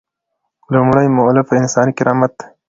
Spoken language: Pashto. لومړۍ مولفه انساني کرامت دی.